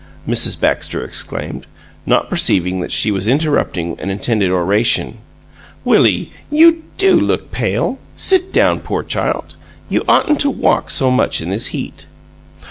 Mrs. Baxter exclaimed, not perceiving that she was interrupting an intended oration. "Willie, you DO look pale! Sit down, poor child; you oughtn't to walk so much in this heat."